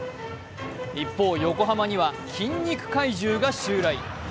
一方、横浜には筋肉怪獣が襲来。